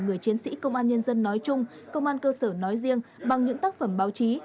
người chiến sĩ công an nhân dân nói chung công an cơ sở nói riêng bằng những tác phẩm báo chí